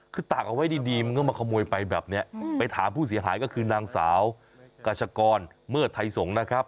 คือตากเอาไว้ดีมันก็มาขโมยไปแบบนี้ไปถามผู้เสียหายก็คือนางสาวกาชกรเมิดไทยสงศ์นะครับ